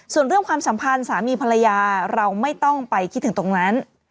ส่วนเรื่องความสัมพันธ์สามีภรรยาเราไม่ต้องไปคิดถึงตรงนั้น